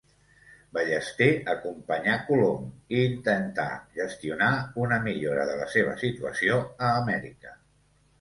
Ballester acompanyà Colom i intentà gestionar una millora de la seva situació a Amèrica.